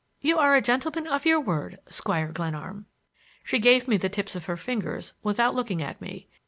You are a gentleman of your word, Squire Glenarm!" She gave me the tips of her fingers without looking at me.